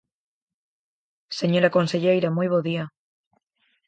Señora conselleira, moi bo día.